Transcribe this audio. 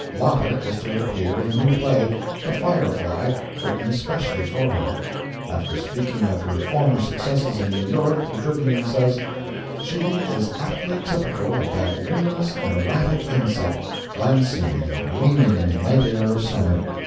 Lotta is to appear in a new play, "The Fire Fly," written especially for her. After speaking of her former successes in New York, the Tribune says: "She is aptly typical of that luminous and erratic insect, glancing and gleaming in the night air of summer.